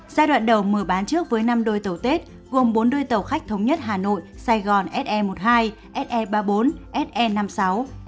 giai đoạn đầu mở bán trước với năm đôi tàu tết gồm bốn đôi tàu khách thống nhất hà nội sài gòn se một mươi hai se ba mươi bốn se năm mươi sáu se bảy mươi tám